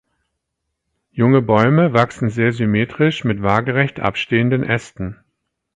Junge Bäume wachsen sehr symmetrisch mit waagerecht abstehenden Ästen.